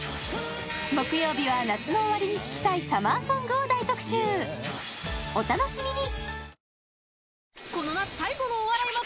木曜日は夏の終わりに聴きたいサマーソングを大特集お楽しみに！